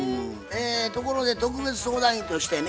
ところで特別相談員としてね